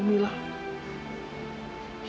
seperti itu mila